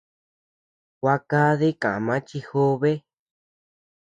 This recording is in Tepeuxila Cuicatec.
Gua kadi kama chi jobe.